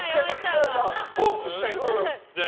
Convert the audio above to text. トークしたいんです。